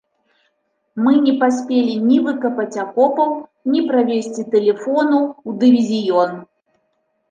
Мы не паспелі ні выкапаць акопаў, ні правесці тэлефону ў дывізіён.